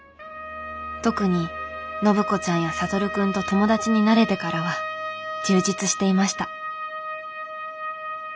特に暢子ちゃんや智くんと友達になれてからは充実していました。